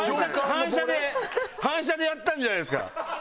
反射で反射でやったんじゃないですか？